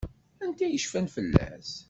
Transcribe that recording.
Anta i yecfan fell-as?